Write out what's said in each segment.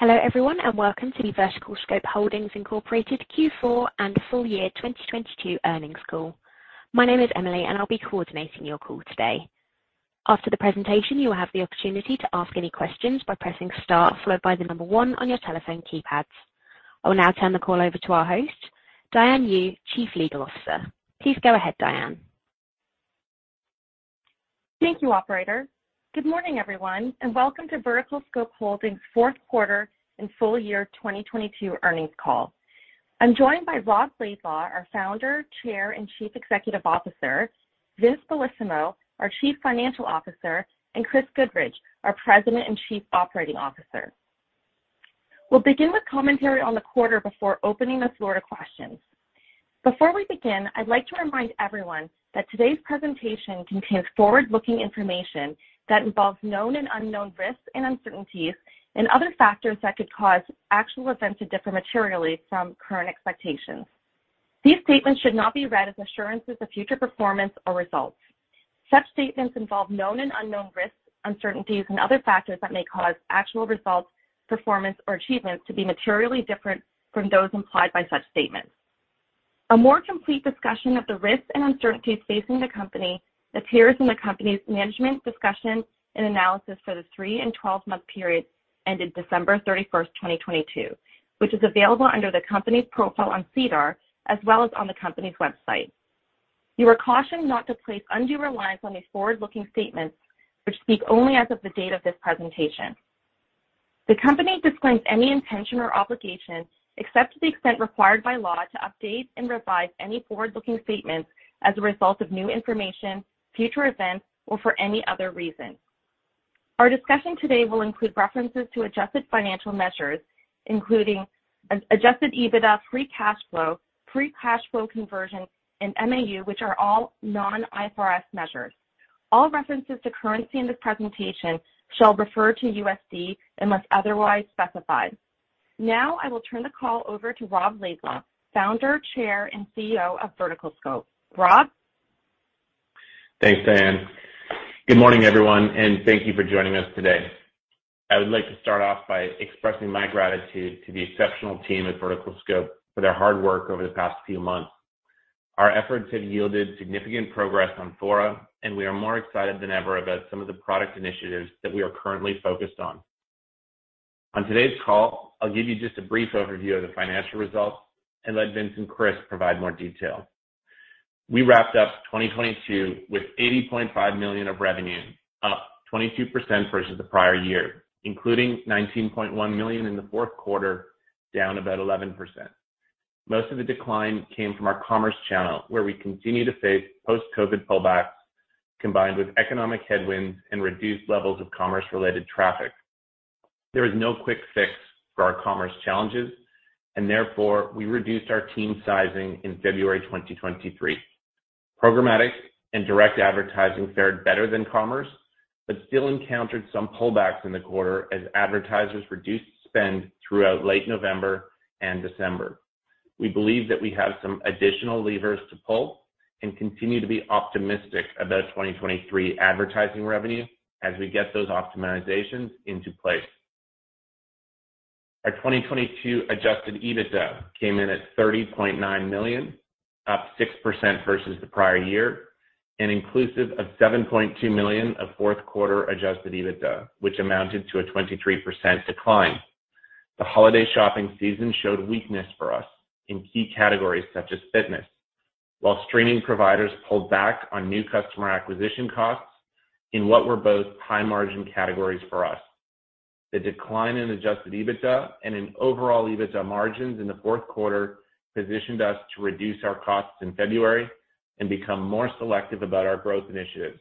Hello, everyone, welcome to the VerticalScope Holdings Inc. Q4 and full year 2022 earnings call. My name is Emily, and I'll be coordinating your call today. After the presentation, you will have the opportunity to ask any questions by pressing star followed by 1 on your telephone keypads. I will now turn the call over to our host, Diane Yu, Chief Legal Officer. Please go ahead, Diane. Thank you, operator. Good morning, everyone, and welcome to VerticalScope Holdings Q4 and full year 2022 earnings call. I'm joined by Rob Laidlaw, our founder, Chair, and Chief Executive Officer, Vince Bellissimo, our Chief Financial Officer, and Chris Goodridge, our President and Chief Operating Officer. We'll begin with commentary on the quarter before opening the floor to questions. Before we begin, I'd like to remind everyone that today's presentation contains forward-looking information that involves known and unknown risks and uncertainties and other factors that could cause actual events to differ materially from current expectations. These statements should not be read as assurances of future performance or results. Such statements involve known and unknown risks, uncertainties, and other factors that may cause actual results, performance, or achievements to be materially different from those implied by such statements. A more complete discussion of the risks and uncertainties facing the company appears in the company's management discussion and analysis for the 3 and 12-month period ended December 31st, 2022, which is available under the company's profile on SEDAR as well as on the company's website. You are cautioned not to place undue reliance on these forward-looking statements, which speak only as of the date of this presentation. The company disclaims any intention or obligation, except to the extent required by law, to update and revise any forward-looking statements as a result of new information, future events, or for any other reason. Our discussion today will include references to adjusted financial measures, including Adjusted EBITDA, free cash flow, free cash flow conversion, and MAU, which are all non-IFRS measures. All references to currency in this presentation shall refer to USD unless otherwise specified. I will turn the call over to Rob Laidlaw, Founder, Chair, and CEO of VerticalScope. Rob. Thanks, Diane. Good morning, everyone, and thank you for joining us today. I would like to start off by expressing my gratitude to the exceptional team at VerticalScope for their hard work over the past few months. Our efforts have yielded significant progress on Fora, and we are more excited than ever about some of the product initiatives that we are currently focused on. On today's call, I'll give you just a brief overview of the financial results and let Vince and Chris provide more detail. We wrapped up 2022 with $80.5 million of revenue, up 22% versus the prior year, including $19.1 million in the Q4, down about 11%. Most of the decline came from our commerce channel, where we continue to face post-COVID pullbacks combined with economic headwinds and reduced levels of commerce-related traffic. There is no quick fix for our commerce challenges, and therefore, we reduced our team sizing in February 2023. Programmatic and direct advertising fared better than commerce, but still encountered some pullbacks in the quarter as advertisers reduced spend throughout late November and December. We believe that we have some additional levers to pull and continue to be optimistic about 2023 advertising revenue as we get those optimizations into place. Our 2022 Adjusted EBITDA came in at $30.9 million, up 6% versus the prior year and inclusive of $7.2 million of fourth-quarter Adjusted EBITDA, which amounted to a 23% decline. The holiday shopping season showed weakness for us in key categories such as fitness, while streaming providers pulled back on new customer acquisition costs in what were both high-margin categories for us. The decline in Adjusted EBITDA and in overall EBITDA margins in the Q4 positioned us to reduce our costs in February and become more selective about our growth initiatives.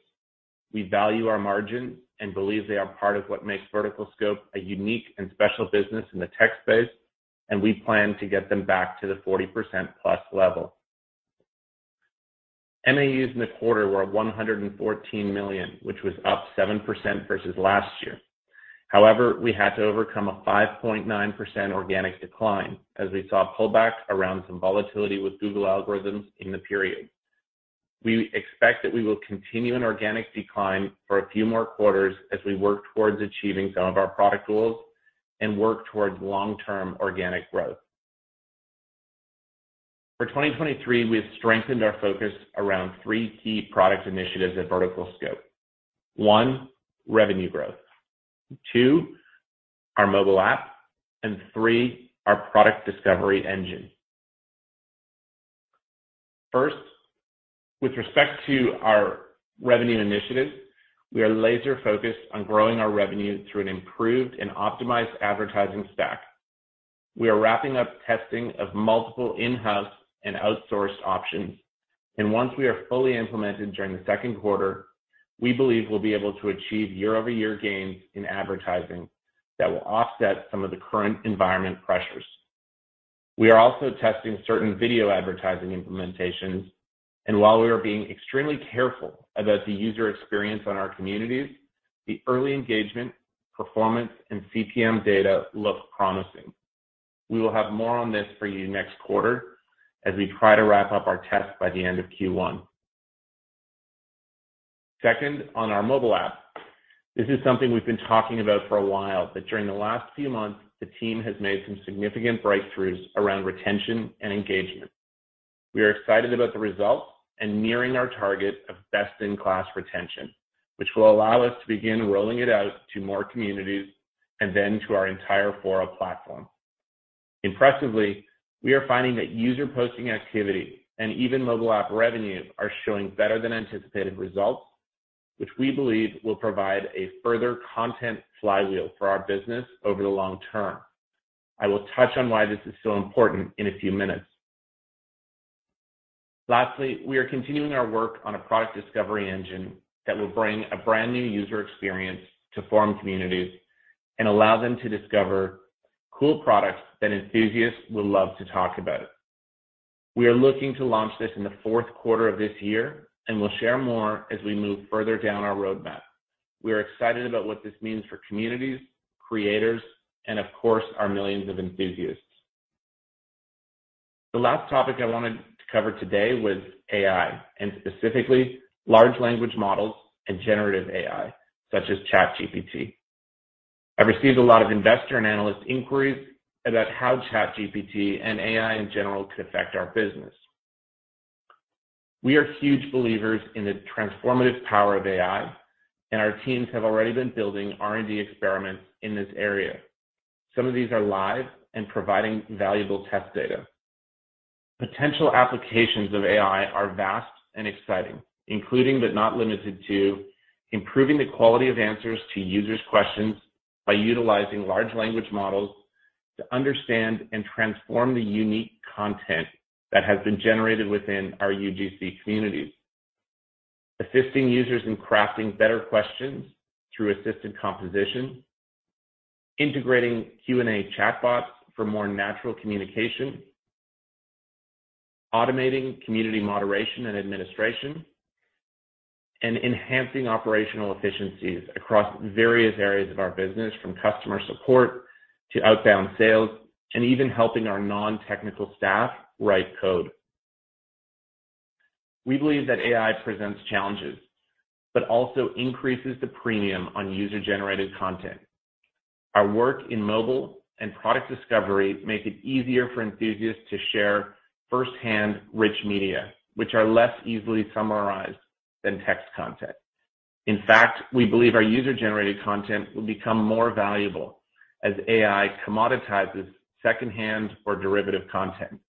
We value our margins and believe they are part of what makes VerticalScope a unique and special business in the tech space. We plan to get them back to the 40%-plus level. MAUs in the quarter were 114 million, which was up 7% versus last year. However, we had to overcome a 5.9% organic decline as we saw a pullback around some volatility with Google algorithms in the period. We expect that we will continue an organic decline for a few more quarters as we work towards achieving some of our product goals and work towards long-term organic growth. For 2023, we have strengthened our focus around three key product initiatives at VerticalScope. One, revenue growth. Two, our mobile app, and three, our product discovery engine. First, with respect to our revenue initiatives, we are laser-focused on growing our revenue through an improved and optimized advertising stack. We are wrapping up testing of multiple in-house and outsourced options. Once we are fully implemented during the Q2, we believe we'll be able to achieve year-over-year gains in advertising that will offset some of the current environment pressures. We are also testing certain video advertising implementations. While we are being extremely careful about the user experience on our communities, the early engagement, performance, and CPM data look promising. We will have more on this for you next quarter as we try to wrap up our test by the end of Q1. Second, on our mobile app. This is something we've been talking about for a while. During the last few months, the team has made some significant breakthroughs around retention and engagement. We are excited about the results and nearing our target of best-in-class retention, which will allow us to begin rolling it out to more communities then to our entire Fora platform. Impressively, we are finding that user posting activity and even mobile app revenue are showing better than anticipated results, which we believe will provide a further content flywheel for our business over the long term. I will touch on why this is so important in a few minutes. Lastly, we are continuing our work on a product discovery engine that will bring a brand-new user experience to forum communities and allow them to discover cool products that enthusiasts will love to talk about. We are looking to launch this in the Q4 of this year, and we'll share more as we move further down our roadmap. We are excited about what this means for communities, creators, and of course, our millions of enthusiasts. The last topic I wanted to cover today was AI, and specifically large language models and generative AI, such as ChatGPT. I've received a lot of investor and analyst inquiries about how ChatGPT and AI in general could affect our business. We are huge believers in the transformative power of AI, and our teams have already been building R&D experiments in this area. Some of these are live and providing valuable test data. Potential applications of AI are vast and exciting, including but not limited to improving the quality of answers to users' questions by utilizing large language models to understand and transform the unique content that has been generated within our UGC communities; assisting users in crafting better questions through assisted composition; integrating Q&A chatbots for more natural communication; automating community moderation and administration; and enhancing operational efficiencies across various areas of our business, from customer support to outbound sales, and even helping our non-technical staff write code. We believe that AI presents challenges but also increases the premium on user-generated content. Our work in mobile and product discovery make it easier for enthusiasts to share first-hand rich media, which are less easily summarized than text content. In fact, we believe our user-generated content will become more valuable as AI commoditizes secondhand or derivative content.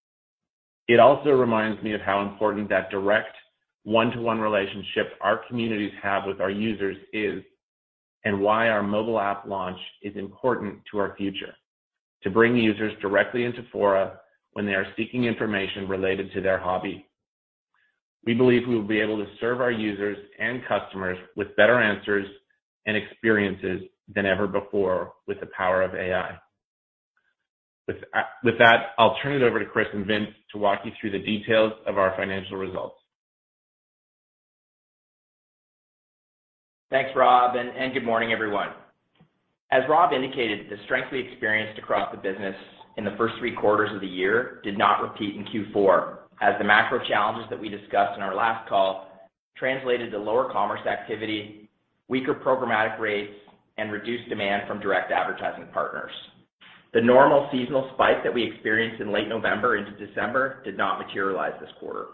It also reminds me of how important that direct one-to-one relationship our communities have with our users is and why our mobile app launch is important to our future. To bring users directly into Fora when they are seeking information related to their hobby. We believe we will be able to serve our users and customers with better answers and experiences than ever before with the power of AI. With that, I'll turn it over to Chris and Vince to walk you through the details of our financial results. Thanks, Rob, and good morning, everyone. As Rob indicated, the strength we experienced across the business in the first three quarters of the year did not repeat in Q4, as the macro challenges that we discussed in our last call translated to lower commerce activity, weaker programmatic rates, and reduced demand from direct advertising partners. The normal seasonal spike that we experienced in late November into December did not materialize this quarter.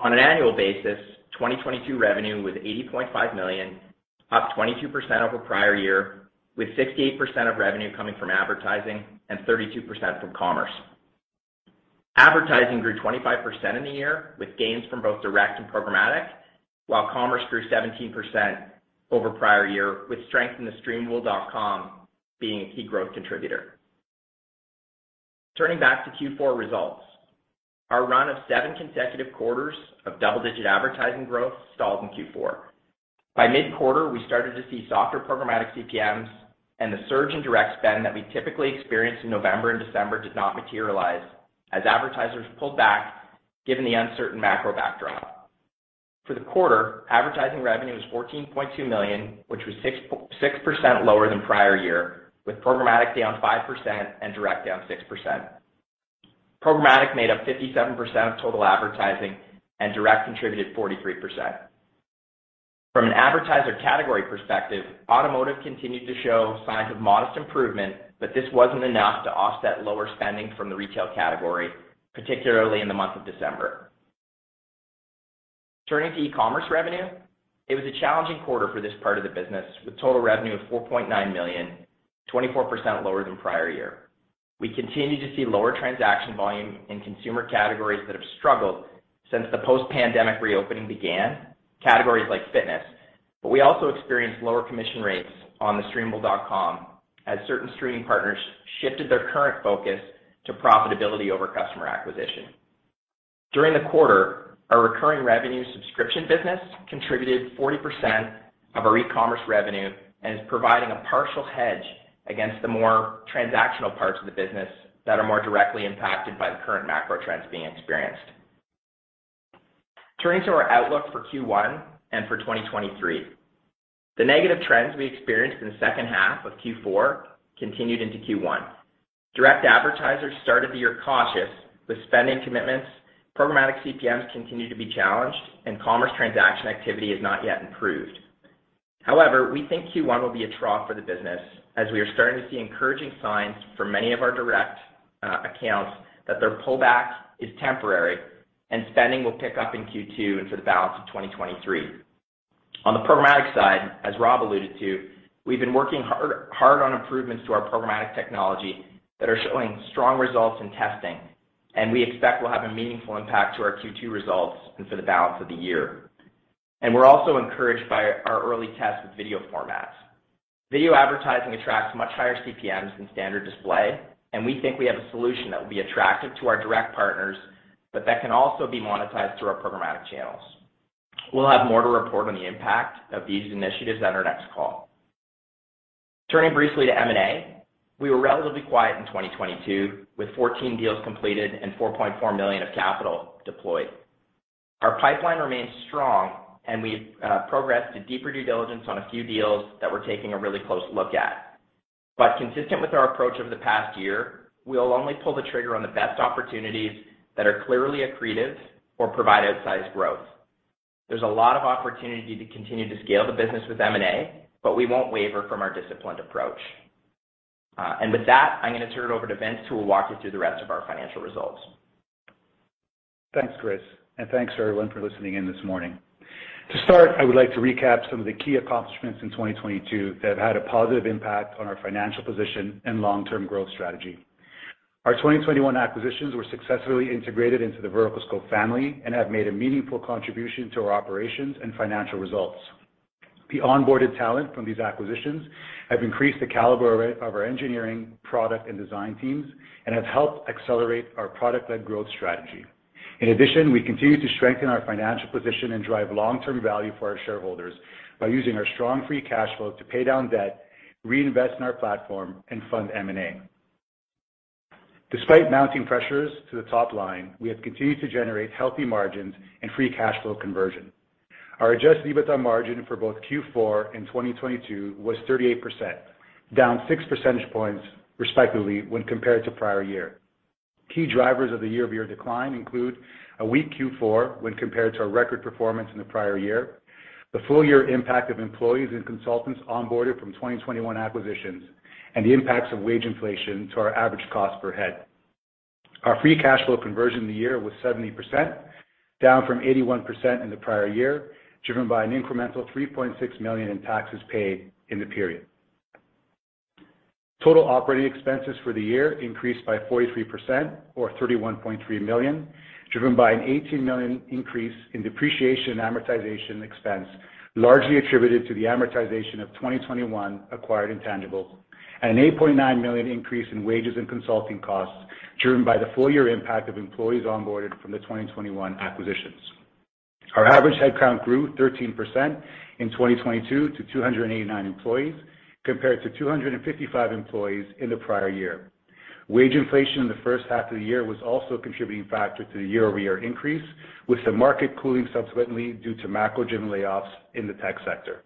On an annual basis, 2022 revenue was $80.5 million, up 22% over prior year, with 68% of revenue coming from advertising and 32% from commerce. Advertising grew 25% in the year, with gains from both direct and programmatic, while commerce grew 17% over prior year, with strength in TheStreamable.com being a key growth contributor. Turning back to Q4 results. Our run of seven consecutive quarters of double-digit advertising growth stalled in Q4. By mid-quarter, we started to see softer programmatic CPMs. The surge in direct spend that we typically experience in November and December did not materialize as advertisers pulled back, given the uncertain macro backdrop. For the quarter, advertising revenue was $14.2 million, which was 6% lower than prior year, with programmatic down 5% and direct down 6%. Programmatic made up 57% of total advertising, and direct contributed 43%. From an advertiser category perspective, automotive continued to show signs of modest improvement. This wasn't enough to offset lower spending from the retail category, particularly in the month of December. Turning to e-commerce revenue. It was a challenging quarter for this part of the business, with total revenue of $4.9 million, 24% lower than prior year. We continued to see lower transaction volume in consumer categories that have struggled since the post-pandemic reopening began, categories like fitness. We also experienced lower commission rates on TheStreamable.com as certain streaming partners shifted their current focus to profitability over customer acquisition. During the quarter, our recurring revenue subscription business contributed 40% of our e-commerce revenue and is providing a partial hedge against the more transactional parts of the business that are more directly impacted by the current macro trends being experienced. Turning to our outlook for Q1 and for 2023. The negative trends we experienced in the H2 of Q4 continued into Q1. Direct advertisers started the year cautious with spending commitments. Programmatic CPMs continue to be challenged. Commerce transaction activity has not yet improved. However, we think Q1 will be a trough for the business as we are starting to see encouraging signs for many of our direct accounts that their pullback is temporary and spending will pick up in Q2 and for the balance of 2023. On the programmatic side, as Rob alluded to, we've been working hard on improvements to our programmatic technology that are showing strong results in testing. We expect will have a meaningful impact to our Q2 results and for the balance of the year. We're also encouraged by our early tests with video formats. Video advertising attracts much higher CPMs than standard display, and we think we have a solution that will be attractive to our direct partners, but that can also be monetized through our programmatic channels. We'll have more to report on the impact of these initiatives at our next call. Turning briefly to M&A. We were relatively quiet in 2022, with 14 deals completed and $40.4 million of capital deployed. Our pipeline remains strong, and we progressed to deeper due diligence on a few deals that we're taking a really close look at. Consistent with our approach over the past year, we will only pull the trigger on the best opportunities that are clearly accretive or provide outsized growth. There's a lot of opportunity to continue to scale the business with M&A, but we won't waver from our disciplined approach. With that, I'm gonna turn it over to Vince, who will walk you through the rest of our financial results. Thanks, Chris, and thanks, everyone, for listening in this morning. To start, I would like to recap some of the key accomplishments in 2022 that have had a positive impact on our financial position and long-term growth strategy. Our 2021 acquisitions were successfully integrated into the VerticalScope family and have made a meaningful contribution to our operations and financial results. The onboarded talent from these acquisitions have increased the caliber of our engineering, product, and design teams and have helped accelerate our product-led growth strategy. In addition, we continue to strengthen our financial position and drive long-term value for our shareholders by using our strong free cash flow to pay down debt, reinvest in our platform, and fund M&A. Despite mounting pressures to the top line, we have continued to generate healthy margins and free cash flow conversion. Our Adjusted EBITDA margin for both Q4 and 2022 was 38%, down 6 percentage points respectively when compared to prior year. Key drivers of the year-over-year decline include a weak Q4 when compared to our record performance in the prior year, the full year impact of employees and consultants onboarded from 2021 acquisitions, and the impacts of wage inflation to our average cost per head. Our free cash flow conversion of the year was 70%, down from 81% in the prior year, driven by an incremental $3.6 million in taxes paid in the period. Total operating expenses for the year increased by 43% or $31.3 million, driven by an $18 million increase in depreciation and amortization expense, largely attributed to the amortization of 2021 acquired intangibles, and an $8.9 million increase in wages and consulting costs driven by the full year impact of employees onboarded from the 2021 acquisitions. Our average headcount grew 13% in 2022 to 289 employees, compared to 255 employees in the prior year. Wage inflation in the H1 of the year was also a contributing factor to the year-over-year increase, with the market cooling subsequently due to macro-driven layoffs in the tech sector.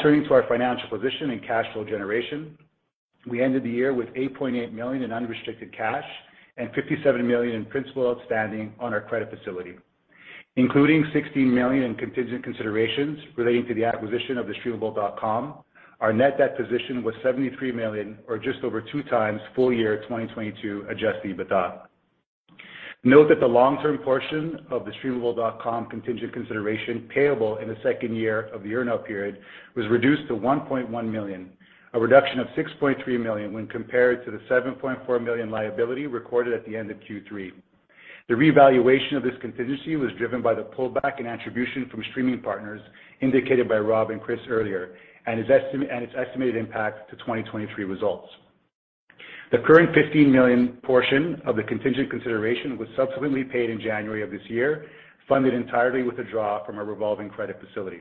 Turning to our financial position and cash flow generation. We ended the year with $8.8 million in unrestricted cash and $57 million in principal outstanding on our credit facility, including $16 million in contingent considerations relating to the acquisition of TheStreamable.com, our net debt position was $73 million or just over 2x full year 2022 Adjusted EBITDA. Note that the long-term portion of TheStreamable.com contingent consideration payable in the second year of the earnout period was reduced to $1.1 million, a reduction of $6.3 million when compared to the $7.4 million liability recorded at the end of Q3. The revaluation of this contingency was driven by the pullback in attribution from streaming partners indicated by Rob and Chris earlier and its estimated impact to 2023 results. The current $15 million portion of the contingent consideration was subsequently paid in January of this year, funded entirely with a draw from our revolving credit facility.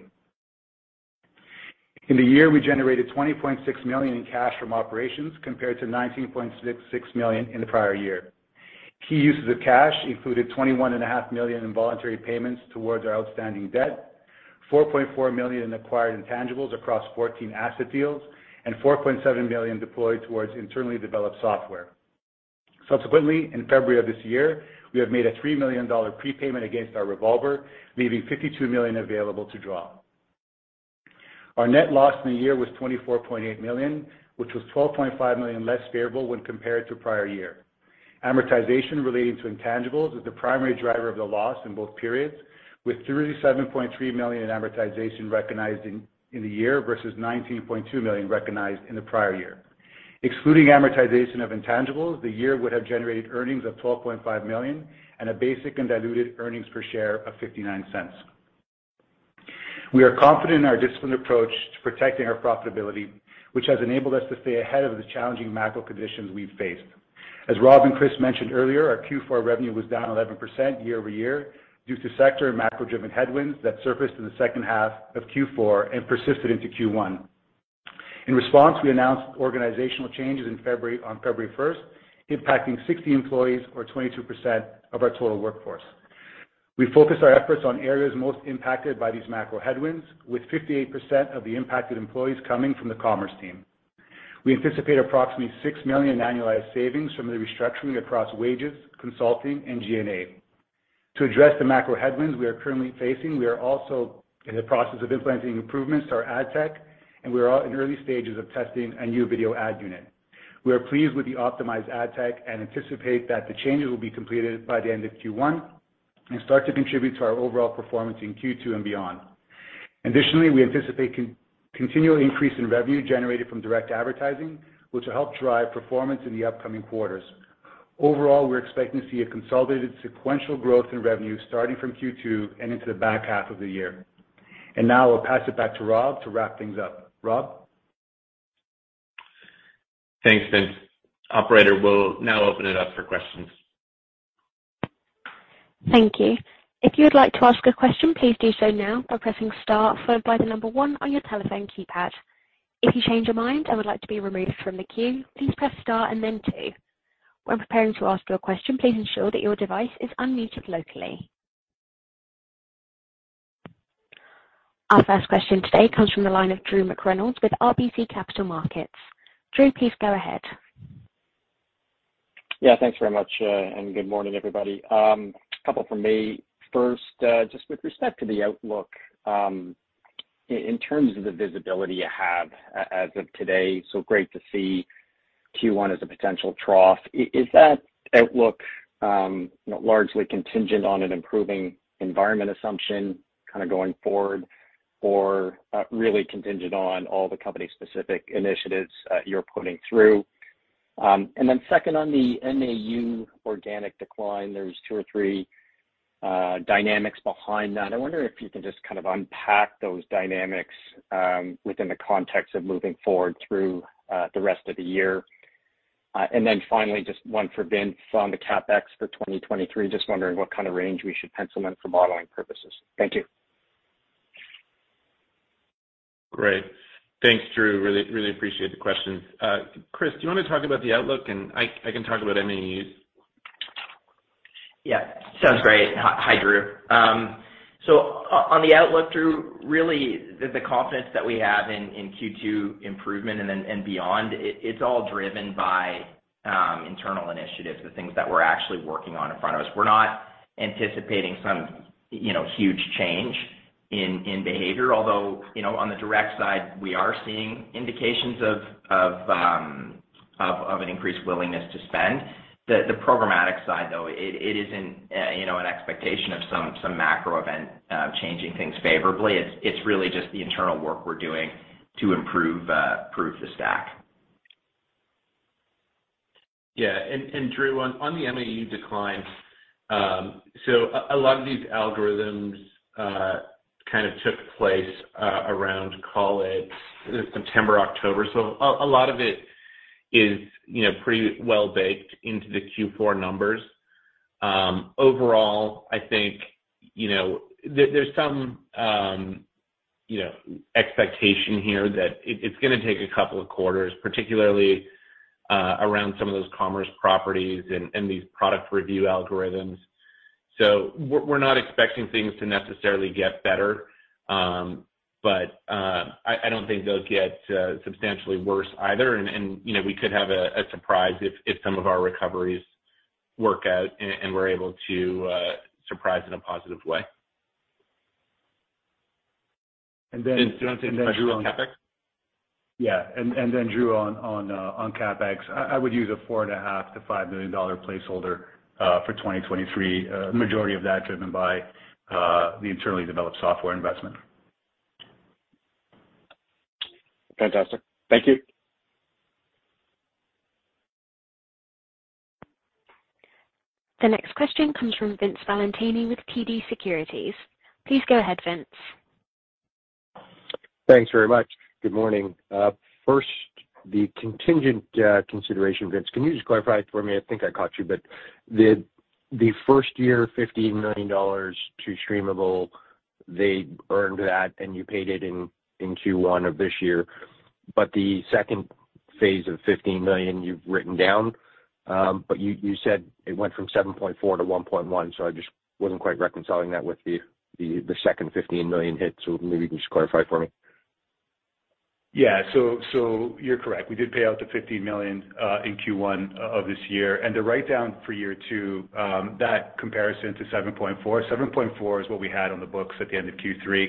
In the year, we generated $20.6 million in cash from operations compared to $19.6 million in the prior year. Key uses of cash included twenty-one and a half million in voluntary payments towards our outstanding debt, $4.4 million in acquired intangibles across 14 asset deals, and $4.7 million deployed towards internally developed software. Subsequently, in February of this year, we have made a $3 million prepayment against our revolver, leaving $52 million available to draw. Our net loss in the year was $24.8 million, which was $12.5 million less favorable when compared to prior year. Amortization relating to intangibles was the primary driver of the loss in both periods, with $37.3 million in amortization recognized in the year versus $19.2 million recognized in the prior year. Excluding amortization of intangibles, the year would have generated earnings of $12.5 million and a basic and diluted earnings per share of $0.59. We are confident in our disciplined approach to protecting our profitability, which has enabled us to stay ahead of the challenging macro conditions we've faced. As Rob and Chris mentioned earlier, our Q4 revenue was down 11% year-over-year due to sector and macro-driven headwinds that surfaced in the H2 of Q4 and persisted into Q1. In response, we announced organizational changes in February, on February 1st, impacting 60 employees or 22% of our total workforce. We focused our efforts on areas most impacted by these macro headwinds, with 58% of the impacted employees coming from the commerce team. We anticipate approximately $6 million annualized savings from the restructuring across wages, consulting, and G&A. To address the macro headwinds we are currently facing, we are also in the process of implementing improvements to our ad tech. We are all in early stages of testing a new video ad unit. We are pleased with the optimized ad tech and anticipate that the changes will be completed by the end of Q1 and start to contribute to our overall performance in Q2 and beyond. Additionally, we anticipate continual increase in revenue generated from direct advertising, which will help drive performance in the upcoming quarters. Overall, we're expecting to see a consolidated sequential growth in revenue starting from Q2 and into the back half of the year. Now I'll pass it back to Rob to wrap things up. Rob? Thanks, Vince. Operator, we'll now open it up for questions. Thank you. If you would like to ask a question, please do so now by pressing star followed by 1 on your telephone keypad. If you change your mind and would like to be removed from the queue, please press star and then 2. When preparing to ask your question, please ensure that your device is unmuted locally. Our first question today comes from the line of Drew McReynolds with RBC Capital Markets. Drew, please go ahead. Yeah. Thanks very much, and good morning, everybody. A couple from me. First, just with respect to the outlook, in terms of the visibility you have as of today, so great to see Q1 as a potential trough. Is that outlook, you know, largely contingent on an improving environment assumption kinda going forward or really contingent on all the company-specific initiatives you're putting through? Second, on the MAU organic decline, there's two or three dynamics behind that. I wonder if you can just kind of unpack those dynamics within the context of moving forward through the rest of the year. Finally, just one for Vince on the CapEx for 2023. Just wondering what kind of range we should pencil in for modeling purposes. Thank you. Great. Thanks, Drew. Really appreciate the questions. Chris, do you wanna talk about the outlook, and I can talk about MAUs? Yeah. Sounds great. Hi, Drew. So on the outlook, Drew, really the confidence that we have in Q2 improvement and then and beyond, it's all driven by internal initiatives, the things that we're actually working on in front of us. We're not anticipating some, you know, huge change in behavior. You know, on the direct side, we are seeing indications of an increased willingness to spend. The programmatic side, though, it isn't, you know, an expectation of some macro event, changing things favorably. It's really just the internal work we're doing to improve the stack. Yeah. Drew, on the MAU decline, a lot of these algorithms kind of took place around, call it, September, October. A lot of it is, you know, pretty well baked into the Q4 numbers. Overall, I think, you know, there's some, you know, expectation here that it's gonna take a couple of quarters, particularly around some of those commerce properties and these product review algorithms. We're not expecting things to necessarily get better, but I don't think they'll get substantially worse either. You know, we could have a surprise if some of our recoveries work out and we're able to surprise in a positive way. And then Drew, on CapEx? Yeah. Then Drew on CapEx, I would use a four and a half million dollar to $5 million placeholder for 2023. Majority of that driven by the internally developed software investment. Fantastic. Thank you. The next question comes from Vince Valentini with TD Securities. Please go ahead, Vince. Thanks very much. Good morning. First, the contingent consideration, Vince, can you just clarify it for me? I think I caught you. The first year $15 million to Streamable, they earned that and you paid it in Q1 of this year. The second phase of $15 million you've written down, but you said it went from 7.4 to 1.1, so I just wasn't quite reconciling that with the second $15 million hit. Maybe you can just clarify for me. Yeah. You're correct. We did pay out the $15 million in Q1 of this year. The write-down for year 2, that comparison to 7.4. 7.4 is what we had on the books at the end of Q3,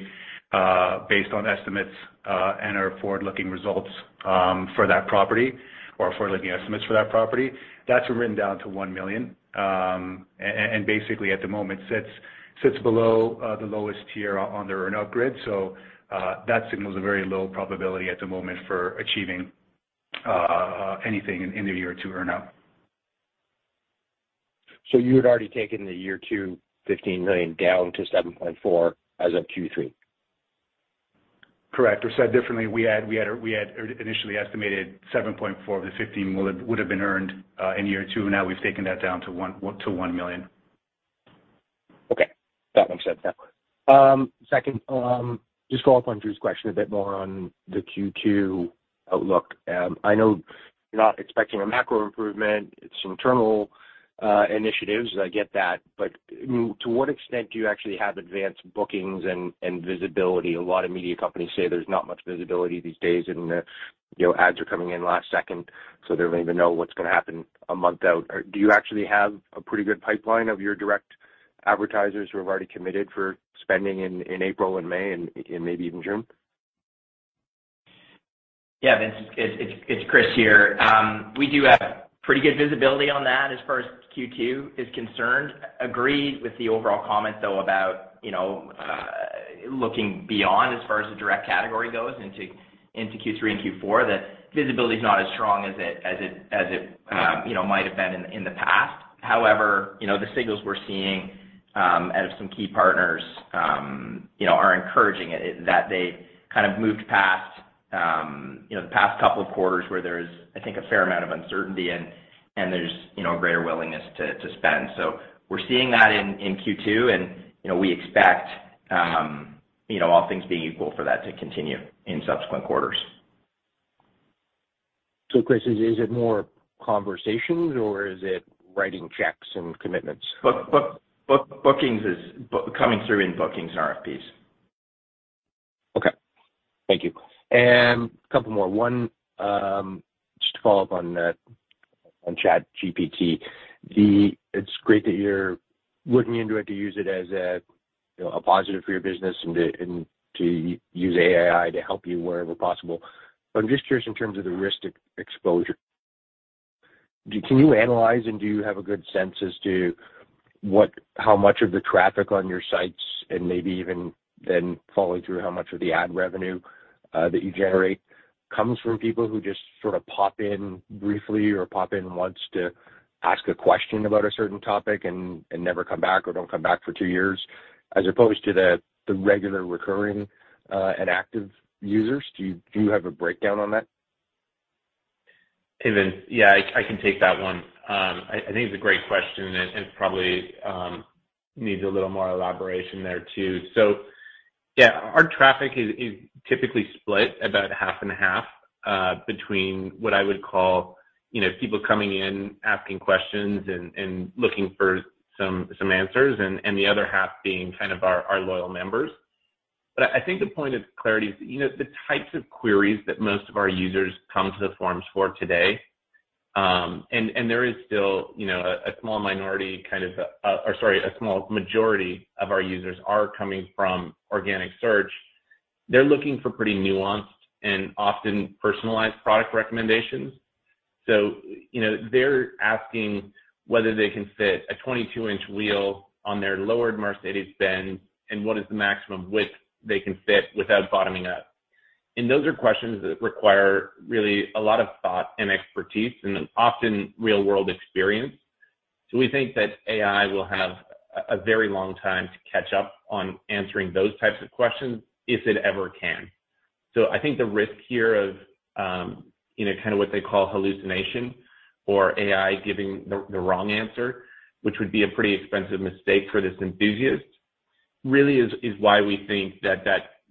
based on estimates, and our forward-looking results for that property or forward-looking estimates for that property. That's been written down to $1 million, and basically at the moment sits below the lowest tier on the earn-out grid. That signals a very low probability at the moment for achieving anything in the year 2 earn-out. you had already taken the year $215 million down to $7.4 million as of Q3? Correct. Said differently, we had initially estimated 7.4 of the 15 would have been earned in year 2. Now we've taken that down to $1 million. That makes sense. Yeah. Just to follow up on Drew's question a bit more on the Q2 outlook. I know you're not expecting a macro improvement. It's internal initiatives. I get that. To what extent do you actually have advanced bookings and visibility? A lot of media companies say there's not much visibility these days and, you know, ads are coming in last second, so they don't even know what's gonna happen a month out. Do you actually have a pretty good pipeline of your direct advertisers who have already committed for spending in April and May and maybe even June? Yeah, Vince, it's Chris here. We do have pretty good visibility on that as far as Q2 is concerned. Agreed with the overall comment, though, about, you know, looking beyond as far as the direct category goes into Q3 and Q4, that visibility is not as strong as it, you know, might have been in the past. However, you know, the signals we're seeing out of some key partners, you know, are encouraging that they kind of moved past, you know, the past couple of quarters where there's, I think, a fair amount of uncertainty and there's, you know, a greater willingness to spend. We're seeing that in Q2 and, you know, we expect, you know, all things being equal for that to continue in subsequent quarters. Chris, is it more conversations or is it writing checks and commitments? Bookings is coming through in bookings and RFPs. Okay. Thank you. A couple more. One, just to follow up on ChatGPT. It's great that you're looking into it to use it as a, you know, a positive for your business and to, and to use AI to help you wherever possible. I'm just curious in terms of the risk exposure. Can you analyze and do you have a good sense as to how much of the traffic on your sites and maybe even then following through how much of the ad revenue that you generate comes from people who just sort of pop in briefly or pop in once to ask a question about a certain topic and never come back or don't come back for 2 years, as opposed to the regular recurring and active users? Do you have a breakdown on that? Hey, Vince. Yeah, I can take that one. I think it's a great question and probably needs a little more elaboration there too. Yeah, our traffic is typically split about half and half between what I would call, you know, people coming in, asking questions and looking for some answers and the other half being kind of our loyal members. I think the point of clarity is, you know, the types of queries that most of our users come to the forums for today, and there is still, you know, or sorry, a small majority of our users are coming from organic search. They're looking for pretty nuanced and often personalized product recommendations. You know, they're asking whether they can fit a 22-inch wheel on their lowered Mercedes-Benz and what is the maximum width they can fit without bottoming out. Those are questions that require really a lot of thought and expertise and often real-world experience. We think that AI will have a very long time to catch up on answering those types of questions if it ever can. I think the risk here of, you know, kind a what they call hallucination or AI giving the wrong answer, which would be a pretty expensive mistake for this enthusiast, really is why we think that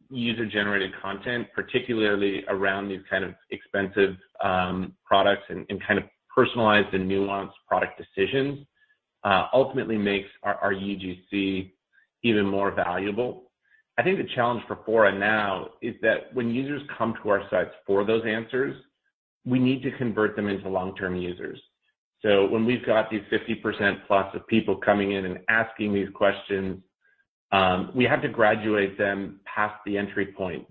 user-generated content, particularly around these kind of expensive products and kind of personalized and nuanced product decisions ultimately makes our UGC even more valuable. I think the challenge for Fora now is that when users come to our sites for those answers, we need to convert them into long-term users. When we've got these 50% plus of people coming in and asking these questions, we have to graduate them past the entry point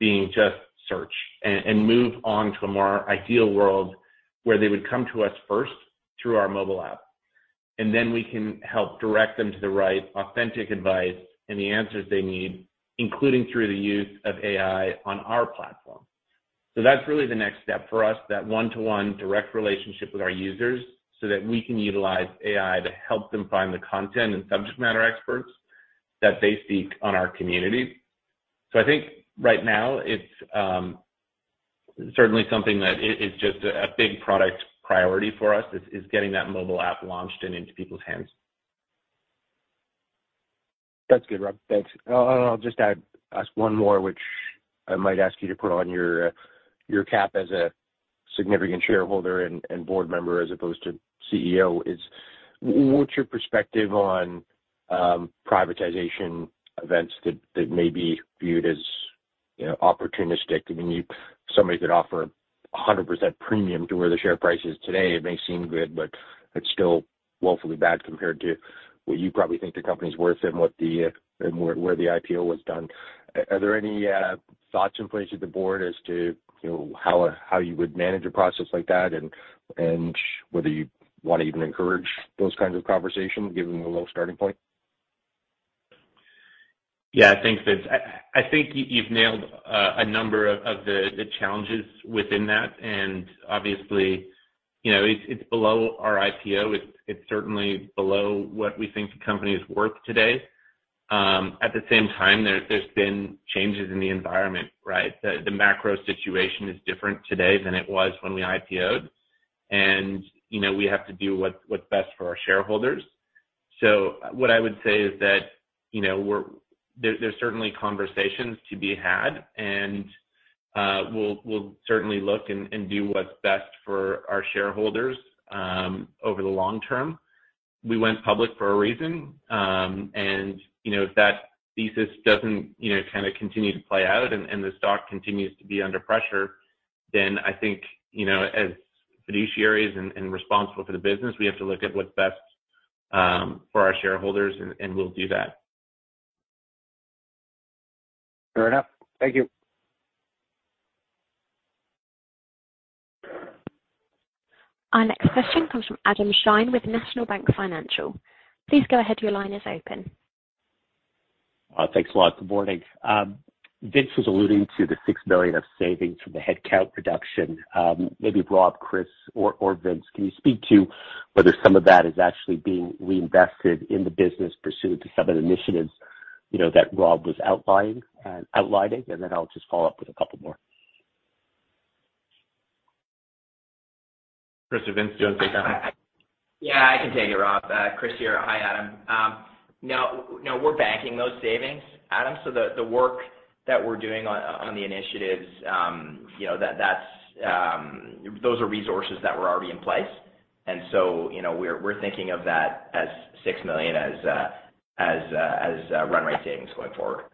being just search and move on to a more ideal world where they would come to us first through our mobile app. Then we can help direct them to the right authentic advice and the answers they need, including through the use of AI on our platform. That's really the next step for us, that one-to-one direct relationship with our users so that we can utilize AI to help them find the content and subject matter experts that they seek on our community. I think right now it's, certainly something that is just a big product priority for us is getting that mobile app launched and into people's hands. That's good, Rob. Thanks. I'll just ask one more, which I might ask you to put on your cap as a significant shareholder and board member as opposed to CEO, is what's your perspective on privatization events that that may be viewed as, you know, opportunistic? I mean, somebody could offer a 100% premium to where the share price is today. It may seem good, but it's still woefully bad compared to what you probably think the company's worth and where the IPO was done. Are there any thoughts in place with the board as to, you know, how you would manage a process like that and whether you wanna even encourage those kinds of conversations given the low starting point? Yeah. Thanks, Vince. I think you've nailed a number of the challenges within that. Obviously, you know, it's below our IPO. It's certainly below what we think the company is worth today. At the same time, there's been changes in the environment, right? The macro situation is different today than it was when we IPO'd. And, you know, we have to do what's best for our shareholders. What I would say is that, you know, there's certainly conversations to be had, and we'll certainly look and do what's best for our shareholders over the long term. We went public for a reason. You know, if that thesis doesn't, you know, kind a continue to play out and the stock continues to be under pressure, I think, you know, as fiduciaries and responsible for the business, we have to look at what's best for our shareholders, and we'll do that. Fair enough. Thank you. Our next question comes from Adam Shine with National Bank Financial. Please go ahead. Your line is open. Thanks a lot. Good morning. Vince was alluding to the $6 million of savings from the headcount reduction. Maybe Rob, Chris, or Vince, can you speak to whether some of that is actually being reinvested in the business pursuant to some of the initiatives, you know, that Rob was outlining? I'll just follow up with a couple more. Chris or Vince, do you wanna take that? Yeah, I can take it, Rob. Chris here. Hi, Adam. No, we're banking those savings, Adam. The work that we're doing on the initiatives, you know, that's. Those are resources that were already in place. You know, we're thinking of that as $6 million as run rate savings going forward.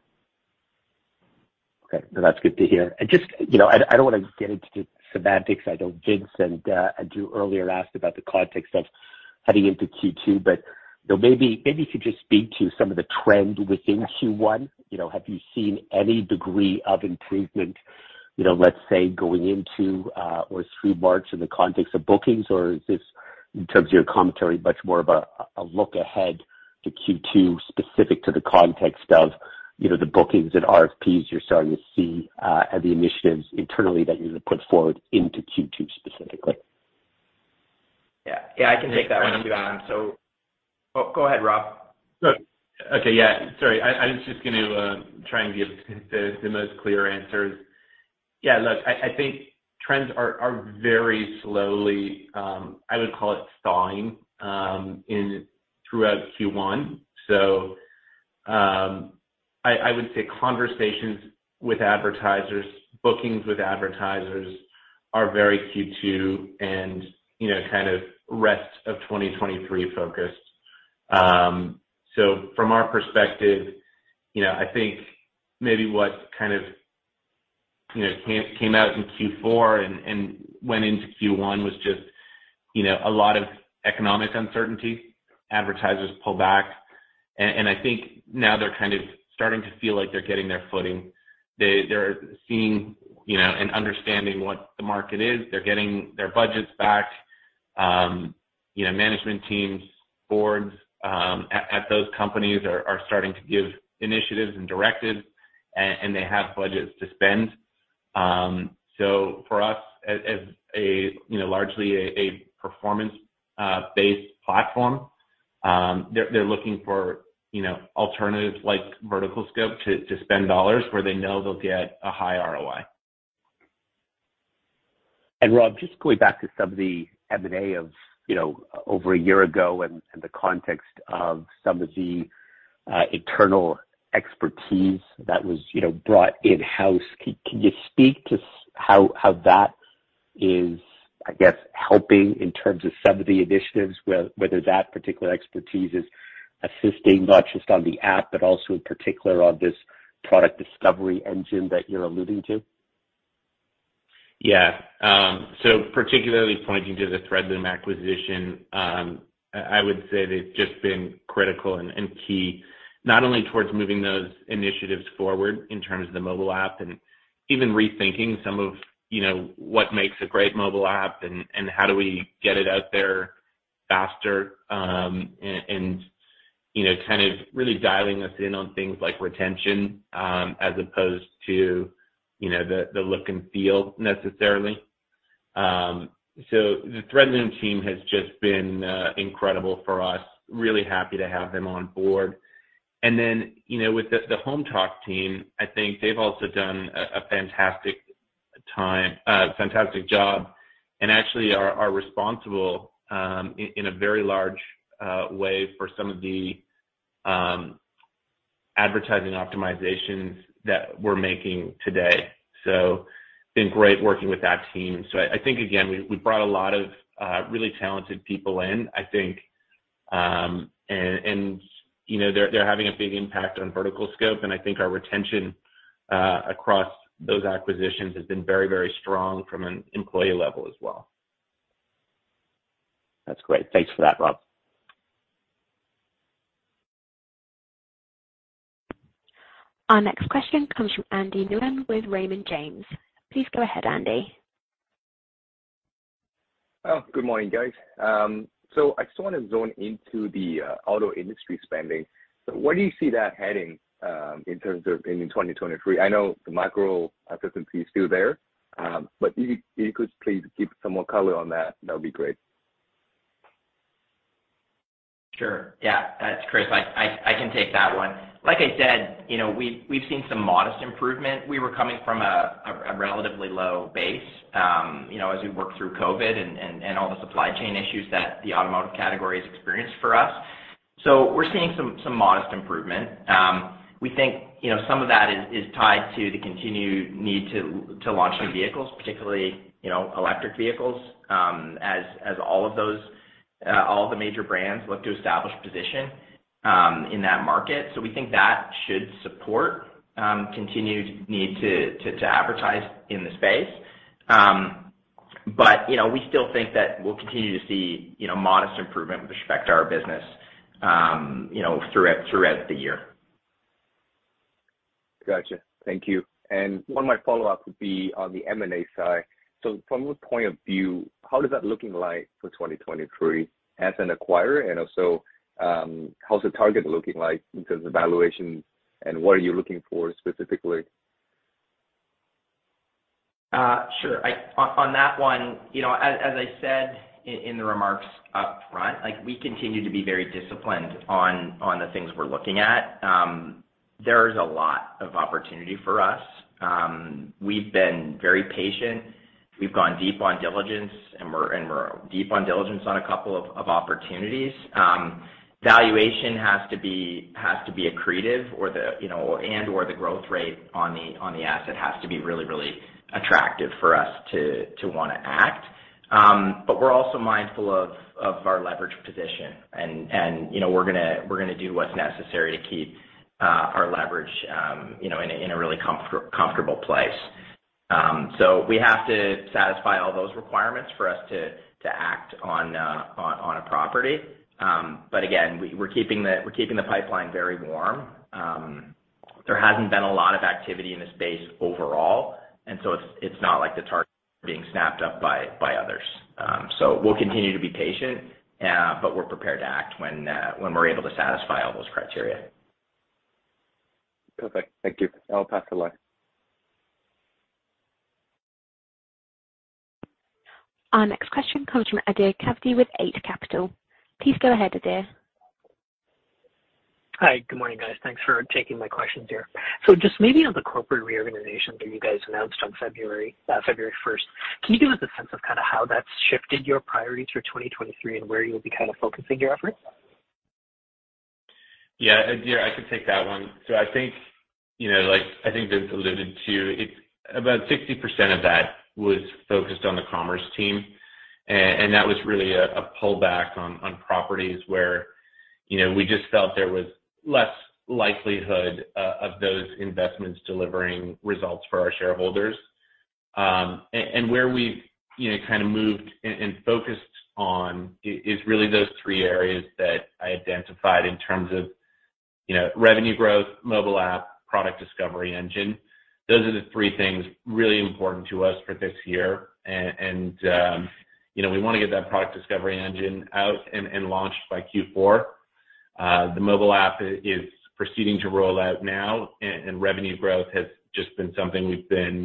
Okay. No, that's good to hear. Just, you know, I don't wanna get into the semantics. I know Vince and Drew earlier asked about the context of heading into Q2. You know, maybe if you could just speak to some of the trend within Q1. You know, have you seen any degree of improvement, you know, let's say, going into or through March in the context of bookings? Is this, in terms of your commentary, much more of a look ahead to Q2 specific to the context of, you know, the bookings and RFPs you're starting to see and the initiatives internally that you're gonna put forward into Q2 specifically? Yeah. I can take that one too, Adam. Oh, go ahead, Rob. No. Okay, yeah. Sorry. I was just gonna try and give the most clear answers. Yeah, look, I think trends are very slowly I would call it stalling throughout Q1. I would say conversations with advertisers, bookings with advertisers are very Q2 and, you know, kind of rest of 2023 focused. From our perspective, you know, I think maybe what kind of, you know, came out in Q4 and went into Q1 was just, you know, a lot of economic uncertainty, advertisers pull back. I think now they're kind of starting to feel like they're getting their footing. They're seeing, you know, and understanding what the market is. They're getting their budgets back. you know, management teams, boards, at those companies are starting to give initiatives and directives, and they have budgets to spend. For us, as a, you know, largely a performance-based platform, they're looking for, you know, alternatives like VerticalScope to spend dollars where they know they'll get a high ROI. Rob, just going back to some of the M&A of, you know, over a year ago and the context of some of the internal expertise that was, you know, brought in-house. Can you speak to how that is, I guess, helping in terms of some of the initiatives, whether that particular expertise is assisting not just on the app, but also in particular on this product discovery engine that you're alluding to? Yeah. Particularly pointing to the Threadloom acquisition, I would say they've just been critical and key not only towards moving those initiatives forward in terms of the mobile app and even rethinking some of, you know, what makes a great mobile app and how do we get it out there faster, and, you know, kind of really dialing us in on things like retention, as opposed to, you know, the look and feel necessarily. The Threadloom team has just been incredible for us. Really happy to have them on board. You know, with the Hometalk team, I think they've also done a fantastic job and actually are responsible, in a very large way for some of the advertising optimizations that we're making today. Been great working with that team. I think again, we brought a lot of really talented people in, I think. You know, they're having a big impact on VerticalScope, and I think our retention across those acquisitions has been very, very strong from an employee level as well. That's great. Thanks for that, Rob. Our next question comes from Andy Nguyen with Raymond James. Please go ahead, Andy. Good morning, guys. I just wanna zone into the auto industry spending. Where do you see that heading in terms of ending 2023? I know the macro uncertainty is still there, but if you, if you could please give some more color on that would be great. Sure. Yeah. It's Chris. I can take that one. Like I said, you know, we've seen some modest improvement. We were coming from a relatively low base, you know, as we work through COVID and all the supply chain issues that the automotive category has experienced for us. We're seeing some modest improvement. We think, you know, some of that is tied to the continued need to launch new vehicles, particularly, you know, electric vehicles, as all of those all the major brands look to establish position in that market. We think that should support continued need to advertise in the space. But, you know, we still think that we'll continue to see, you know, modest improvement with respect to our business, you know, throughout the year. Gotcha. Thank you. One of my follow-up would be on the M&A side. From your point of view, how does that looking like for 2023 as an acquirer? Also, how's the target looking like in terms of valuation, and what are you looking for specifically? Sure. On that one, you know, as I said in the remarks up front, like we continue to be very disciplined on the things we're looking at. There is a lot of opportunity for us. We've been very patient. We've gone deep on diligence, and we're deep on diligence on a couple of opportunities. Valuation has to be accretive or the, you know, and/or the growth rate on the asset has to be really attractive for us to wanna act. We're also mindful of our leverage position and, you know, we're gonna do what's necessary to keep our leverage, you know, in a really comfortable place. We have to satisfy all those requirements for us to act on a property. Again, we're keeping the pipeline very warm. There hasn't been a lot of activity in the space overall, it's not like the targets are being snapped up by others. We'll continue to be patient, but we're prepared to act when we're able to satisfy all those criteria. Perfect. Thank you. I'll pass the line. Our next question comes from Adir Chavada with Eight Capital. Please go ahead, Adir. Hi. Good morning, guys. Thanks for taking my questions here. Just maybe on the corporate reorganization that you guys announced on February 1st, can you give us a sense of kind of how that's shifted your priorities for 2023 and where you'll be kind of focusing your efforts? Adir, I could take that one. I think, you know, like I think Vince alluded to, it's about 60% of that was focused on the commerce team. That was really a pullback on properties where, you know, we just felt there was less likelihood of those investments delivering results for our shareholders. Where we've, you know, kind of moved and focused on is really those three areas that I identified in terms of, you know, revenue growth, mobile app, product discovery engine. Those are the three things really important to us for this year. We wanna get that product discovery engine out and launched by Q4. The mobile app is proceeding to roll out now, and revenue growth has just been something we've been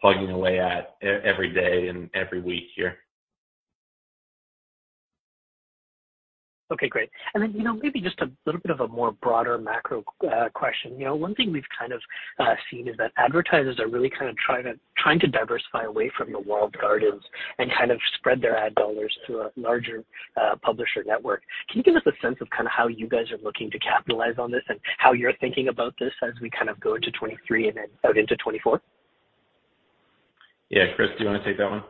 plugging away at every day and every week here. Okay. Great. You know, maybe just a little bit of a more broader macro question. You know, one thing we've kind of seen is that advertisers are really kind of trying to diversify away from the walled gardens and kind of spread their ad dollars to a larger publisher network. Can you give us a sense of kind of how you guys are looking to capitalize on this and how you're thinking about this as we kind of go into 2023 and then out into 2024? Chris, do you wanna take that one?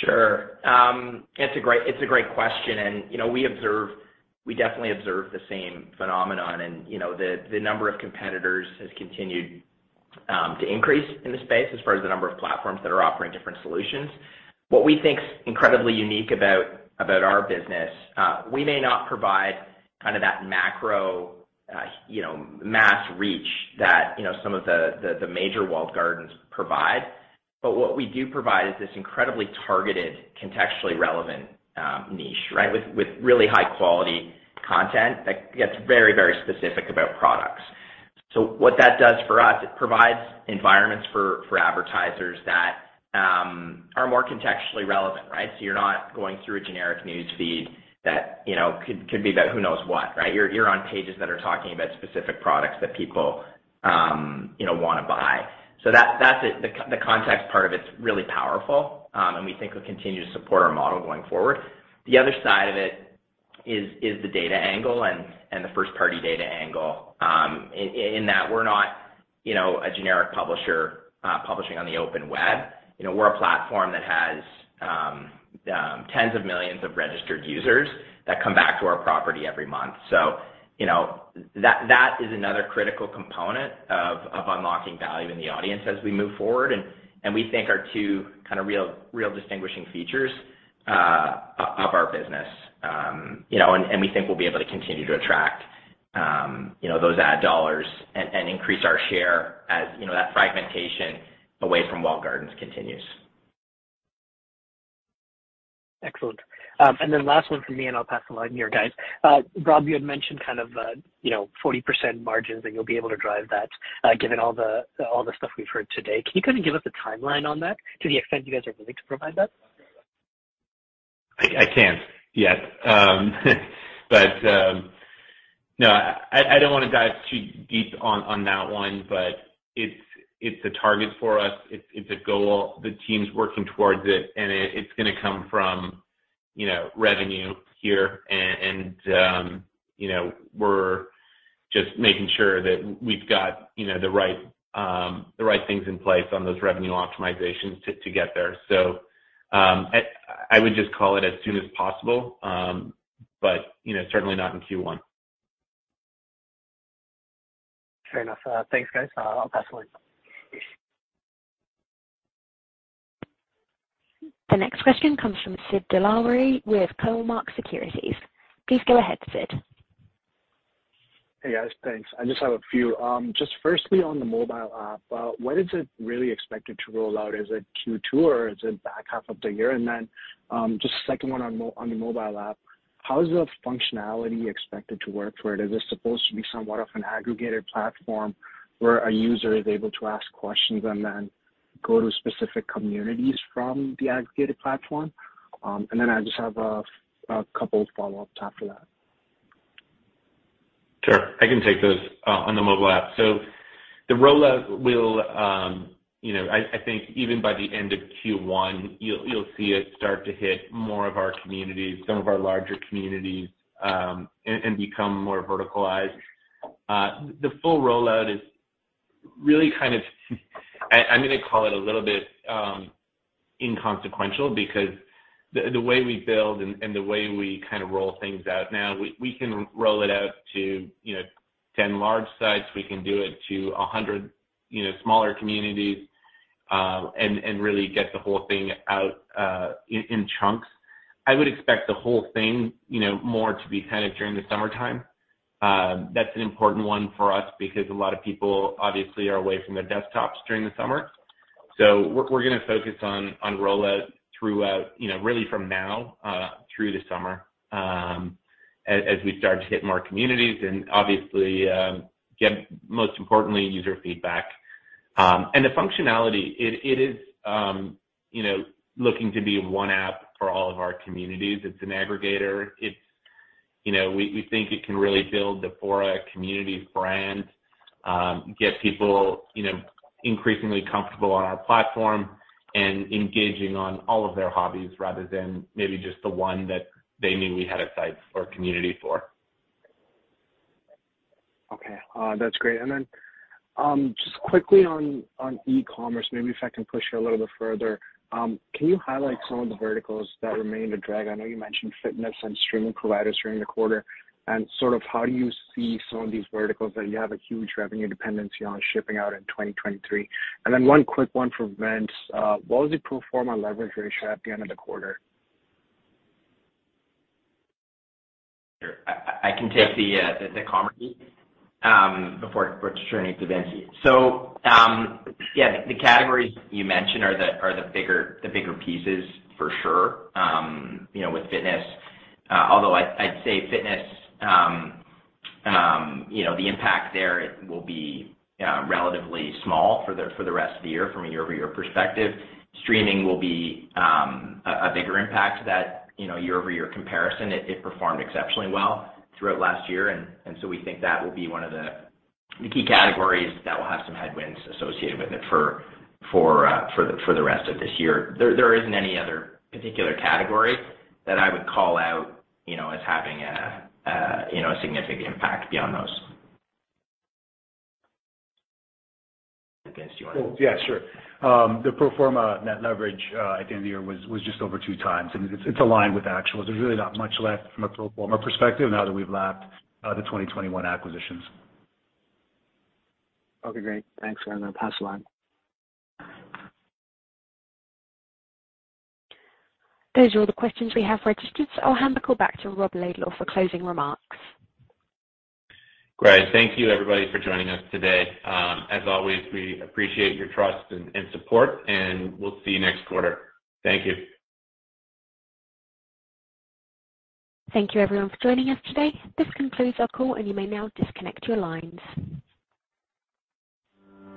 Sure. It's a great, it's a great question. You know, we definitely observe the same phenomenon and, you know, the number of competitors has continued to increase in the space as far as the number of platforms that are offering different solutions. What we think is incredibly unique about our business, we may not provide kind of that macro, you know, mass reach that, you know, some of the major walled gardens provide, but what we do provide is this incredibly targeted, contextually relevant, niche, right? With really high quality content that gets very, very specific about products. What that does for us, it provides environments for advertisers that are more contextually relevant, right? You're not going through a generic news feed that, you know, could be about who knows what, right? You're on pages that are talking about specific products that people, you know, wanna buy. That's it. The context part of it's really powerful, we think will continue to support our model going forward. The other side of it is the data angle and the first party data angle, in that we're not, you know, a generic publisher, publishing on the open web. You know, we're a platform that has tens of millions of registered users that come back to our property every month. You know, that is another critical component of unlocking value in the audience as we move forward. We think our two kind of real distinguishing features of our business. We think we'll be able to continue to attract those ad dollars and increase our share as that fragmentation away from walled gardens continues. Excellent. Last one from me, and I'll pass the line here, guys. Rob, you had mentioned kind of, you know, 40% margins that you'll be able to drive that, given all the, all the stuff we've heard today. Can you kind of give us a timeline on that to the extent you guys are willing to provide that? I can't yet. No, I don't wanna dive too deep on that one, but it's a target for us. It's, it's a goal. The team's working towards it, and it's gonna come from, you know, revenue here and, you know, we're just making sure that we've got, you know, the right, the right things in place on those revenue optimizations to get there. I would just call it as soon as possible, but, you know, certainly not in Q1. Fair enough. Thanks, guys. I'll pass the line. The next question comes from Sid Dilawari with Cormark Securities. Please go ahead, Sid. Hey, guys. Thanks. I just have a few. Just firstly on the mobile app, when is it really expected to roll out? Is it Q2, or is it back half of the year? Just second one on the mobile app, how is the functionality expected to work for it? Is it supposed to be somewhat of an aggregated platform where a user is able to ask questions and then go to specific communities from the aggregated platform? I just have a couple follow-ups after that. Sure. I can take those on the mobile app. The rollout will, you know, I think even by the end of Q1, you'll see it start to hit more of our communities, some of our larger communities, and become more verticalized. The full rollout is really kind of I'm gonna call it a little bit inconsequential because the way we build and the way we kind a roll thing out now, we can roll it out to, you know, 10 large sites. We can do it to 100, you know, smaller communities, and really get the whole thing out in chunks. I would expect the whole thing, you know, more to be kind of during the summertime. That's an important one for us because a lot of people obviously are away from their desktops during the summer. We're gonna focus on rollout throughout, you know, really from now through the summer, as we start to hit more communities and obviously get most importantly user feedback. The functionality, it is, you know, looking to be one app for all of our communities. It's an aggregator. It's, you know, we think it can really build the Fora community brand, get people, you know, increasingly comfortable on our platform and engaging on all of their hobbies rather than maybe just the one that they knew we had a site or community for. Okay. That's great. Just quickly on e-commerce, maybe if I can push you a little bit further, can you highlight some of the verticals that remained a drag? I know you mentioned fitness and streaming providers during the quarter, and sort of how do you see some of these verticals that you have a huge revenue dependency on shipping out in 2023? One quick one for Vince. What was the pro forma leverage ratio at the end of the quarter? Sure. I can take the commerce piece before turning to Vince. Yeah, the categories you mentioned are the bigger pieces for sure. You know, with fitness, although I'd say fitness, you know, the impact there will be relatively small for the rest of the year from a year-over-year perspective. Streaming will be a bigger impact that, you know, year-over-year comparison. It performed exceptionally well throughout last year, and so we think that will be one of the key categories that will have some headwinds associated with it for the rest of this year. There isn't any other particular category that I would call out, you know, as having a significant impact beyond those. Vince, do you? Well, yeah, sure. The pro forma net leverage, at the end of the year was just over 2 times, and it's aligned with actuals. There's really not much left from a pro forma perspective now that we've lapped the 2021 acquisitions. Okay, great. Thanks. I'm gonna pass the line. Those are all the questions we have registered. I'll hand the call back to Rob Laidlaw for closing remarks. Great. Thank you, everybody, for joining us today. As always, we appreciate your trust and support, and we'll see you next quarter. Thank you. Thank you, everyone, for joining us today. This concludes our call, and you may now disconnect your lines.